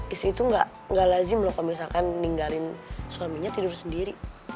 istri itu gak lazim loh kalau misalkan ninggarin suaminya tidur sendiri